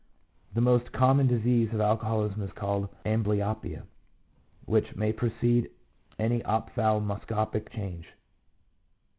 2 The most common disease of alcoholism is called ambly opia which may precede any ophthalmoscopic change.